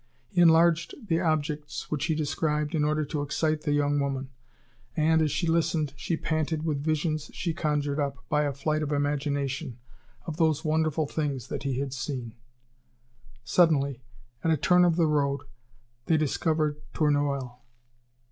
He enlarged the objects which he described in order to excite the young woman; and, as she listened, she panted with visions she conjured up, by a flight of imagination, of those wonderful things that he had seen. Suddenly, at a turn of the road, they discovered Tournoel.